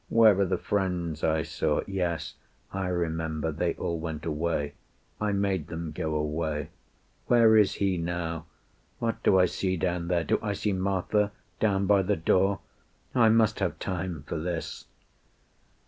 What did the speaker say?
... Where are the friends I saw? Yes, I remember. They all went away. I made them go away. ... Where is He now? ... What do I see down there? Do I see Martha Down by the door? ... I must have time for this."